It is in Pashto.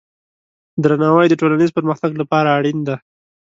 درناوی د ټولنیز پرمختګ لپاره اړین دی.